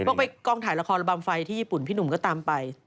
ไปกองถ่ายละครระบำไฟที่ญี่ปุ่นพี่หนุ่มก็ตามไป